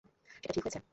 সেটা ঠিক হয়েছে?